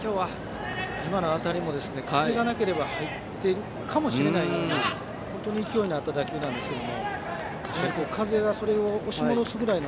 今の当たりも風がなければ入っているかもしれない本当に勢いのあった打球ですが風がそれを押し戻すぐらい